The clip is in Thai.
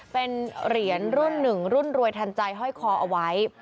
เป็นเหรียญรุ่นหนึ่งรุ่นรวยทันใจห้อยคอเอาไว้